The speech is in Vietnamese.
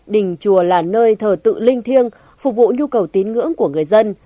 đình chùa là nơi thờ tự linh thiêng phục vụ nhu cầu tín ngưỡng của người dân